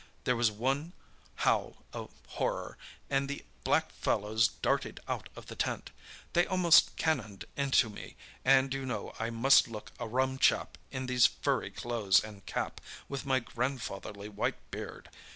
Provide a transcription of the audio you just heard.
There was one howl of horror, and the black fellows darted out of the tent! They almost cannoned into me—and you know I must look a rum chap in these furry clothes and cap, with my grandfatherly white beard!